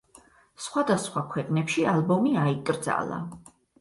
სხვადასხვა ქვეყნებში ალბომი აიკრძალა.